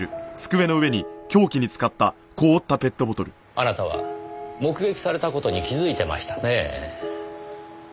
あなたは目撃された事に気づいてましたねえ。